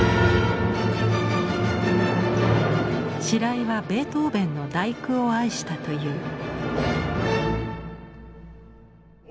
白井はベートーベンの「第九」を愛したという。